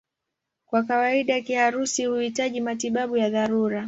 Kwa kawaida kiharusi huhitaji matibabu ya dharura.